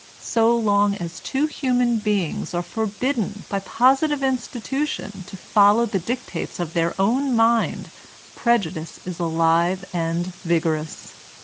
So long as two human beings are forbidden by positive institution to follow the dictates of their own mind prejudice is alive and vigorous.